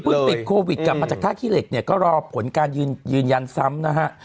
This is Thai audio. ติดโควิดกลับมาจากท่าขี้เหล็กเนี่ยก็รอผลการยืนยันซ้ำนะฮะ